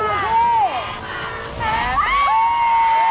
ราคาอยู่ที่